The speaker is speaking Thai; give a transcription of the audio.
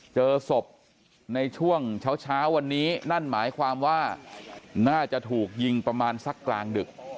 เจอศพในช่วงเช้าวันนี้นั่นหมายความว่าน่าจะถูกยิงประมาณสักกลางดึก